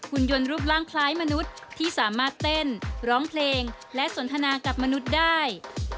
คุณยนต์รูปร่างคล้ายมนุษย์ที่สามารถเต้นร้องเพลงและสนทนากับมนุษย์ได้